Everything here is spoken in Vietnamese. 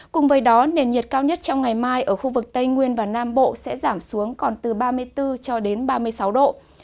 cùng với đó nền nhiệt cao nhất trong ngày mai ở khu vực tây nguyên và nam bộ sẽ giảm xuống còn từ ba mươi bốn cho đến ba mươi sáu độ